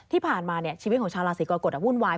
ที่ผ่านมาชีวิตของชาวราศีกรกฎวุ่นวาย